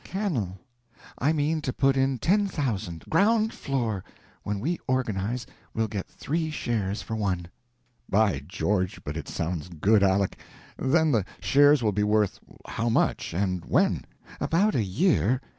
Cannel. I mean to put in ten thousand. Ground floor. When we organize, we'll get three shares for one." "By George, but it sounds good, Aleck! Then the shares will be worth how much? And when?" "About a year.